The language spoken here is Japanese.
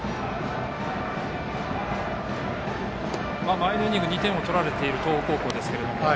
前のイニング２点を取られている東北高校ですけれども。